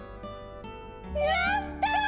やった！